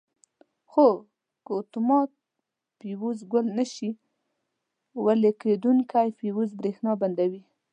خو که اتومات فیوز ګل نه شي ویلې کېدونکي فیوز برېښنا بندوي.